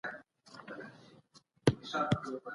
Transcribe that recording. افغان کارګران د بهرنیو هیوادونو قانوني خوندیتوب نه لري.